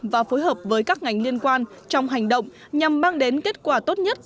và phối hợp với các ngành liên quan trong hành động nhằm mang đến kết quả tốt nhất